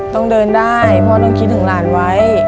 ต้องเดินได้เพราะต้องคิดถึงหลานไว้